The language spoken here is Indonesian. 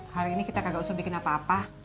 hari ini kita kagak usah bikin apa apa